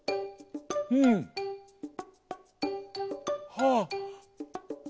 はあ。